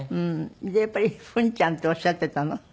でやっぱりフンちゃんっておっしゃってたの？